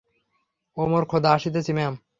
ও মোর খোদা, আসতেছি ম্যাম।